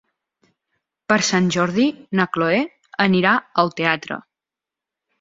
Per Sant Jordi na Chloé anirà al teatre.